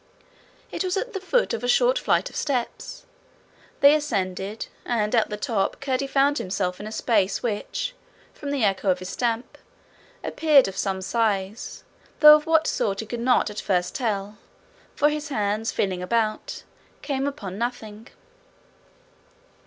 It was at the foot of a short flight of steps. They ascended, and at the top Curdie found himself in a space which, from the echo to his stamp, appeared of some size, though of what sort he could not at first tell, for his hands, feeling about, came upon nothing.